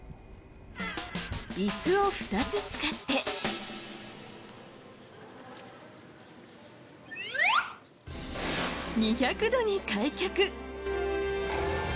椅子を２つ使って２００度に開脚。